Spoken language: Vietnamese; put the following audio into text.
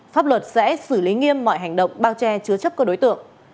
pháp luật sẽ xử lý nghiêm mọi hành động bao che chứa chấp cơ đối tượng